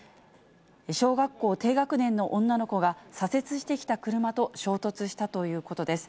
小学校低学年の女の子が、左折してきた車と衝突したということです。